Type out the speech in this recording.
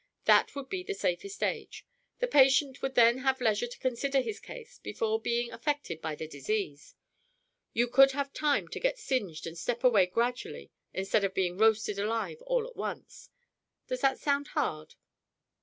That would be the safest age! The patient would then have leisure to consider his case before being affected by the disease. You could have time to get singed and step away gradually instead of being roasted alive all at once. Does that sound hard?"